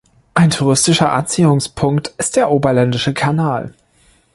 Ein touristischer Anziehungspunkt ist der Oberländische Kanal.